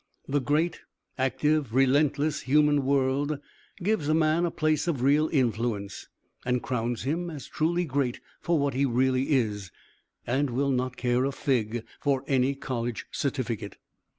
The great, active, relentless, human world gives a man a place of real influence, and crowns him as truly great for what he really is; and will not care a fig for any college certificate.